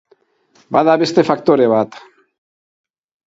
Bada beste faktore bat.